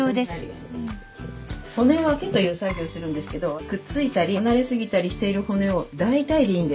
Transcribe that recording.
「骨分け」という作業をするんですけどくっついたり離れ過ぎたりしている骨を大体でいいんです。